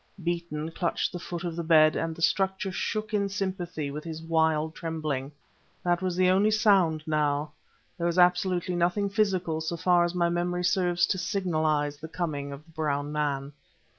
Beeton clutched the foot of the bed, and the structure shook in sympathy with his wild trembling. That was the only sound now; there was absolutely nothing physical so far as my memory serves to signalize the coming of the brown man.